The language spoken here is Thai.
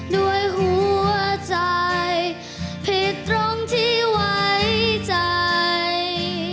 ด้วยหัวใจผิดตรงที่ไว้ใจ